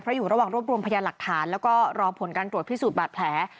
อยู่ระหว่างรวบรวมพยานหลักฐานแล้วก็รอผลการตรวจพิสูจน์บาดแผล